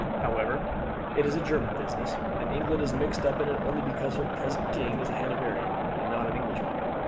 However, it is a German business, and England is mixed up in it only because her present king is a Hanoverian and not an Englishman.